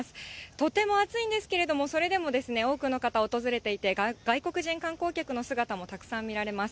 とても暑いんですけれども、それでも多くの方、訪れていて、外国人観光客の姿もたくさん見られます。